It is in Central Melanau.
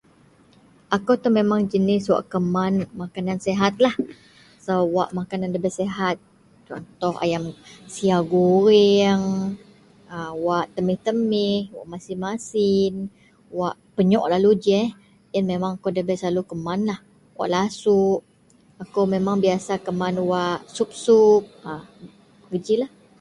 Ako ito memeng wak jenis kemakan makanan sehatlah wak makanan debei sehat teloh ayam siaw goreng, wak temih-temih, masin-masin wak penyouk lalu ji iyen memang akou dabei selalu keman wak lasouk, ako memeng biasa keman wak sup-sup a gejilah.